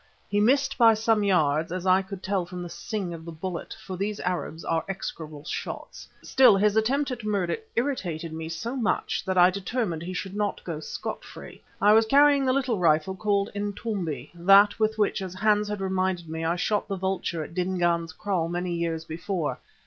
He missed by some yards, as I could tell from the sing of the bullet, for these Arabs are execrable shots. Still his attempt at murder irritated me so much that I determined he should not go scot free. I was carrying the little rifle called "Intombi," that with which, as Hans had reminded me, I shot the vultures at Dingaan's kraal many years before.